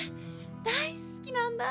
大好きなんだ